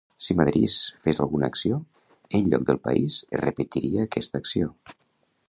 Si Madriz fes alguna acció, enlloc del país es repetiria aquesta acció.